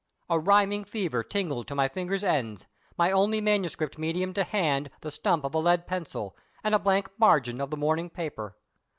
A rhyming fever tingled to my fingers' ends, my only manuscript medium to hand, the stump of a lead pencil, and blank margin of the morning paper.